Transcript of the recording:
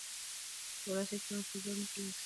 د ولس اعتماد په زور نه ترلاسه کېږي